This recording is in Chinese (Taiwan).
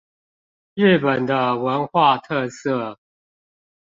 日本的文化特色